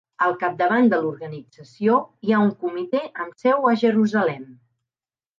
Al capdavant de l'organització hi ha un comitè amb seu a Jerusalem.